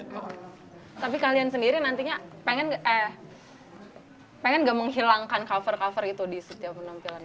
tapi kalian sendiri nantinya pengen eh pengen gak menghilangkan cover cover itu di setiap penampilan